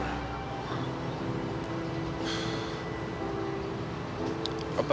apa kamu bisa dipercaya